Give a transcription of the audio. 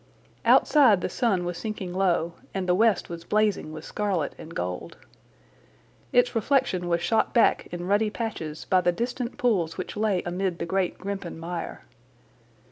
Outside the sun was sinking low and the west was blazing with scarlet and gold. Its reflection was shot back in ruddy patches by the distant pools which lay amid the great Grimpen Mire.